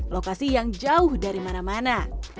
lokasi yang jauh dari mana mana